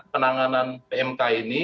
penanganan pmk ini